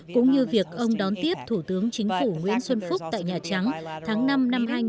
cũng như việc ông đón tiếp thủ tướng chính phủ nguyễn xuân phúc tại nhà trắng tháng năm năm hai nghìn một mươi